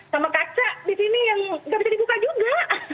sama kaca di sini yang nggak bisa dibuka juga